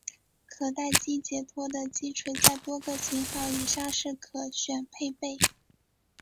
可待击解脱的击锤在多个型号以上是可选配备。